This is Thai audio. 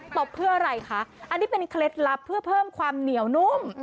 ตบเพื่ออะไรคะอันนี้เป็นเคล็ดลับเพื่อเพิ่มความเหนียวนุ่ม